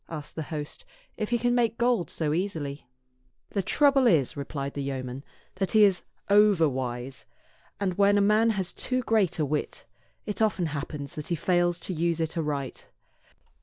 asked the host, "if he can make gold so easily ?" "The trouble is," replied the yeoman, "that he is overwise ; and when a man has too great a wit, it often happens that he fails to use it aright."